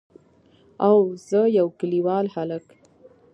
او زه يو کليوال هلک.